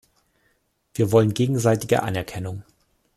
Wir wollen gegenseitige Anerkennung.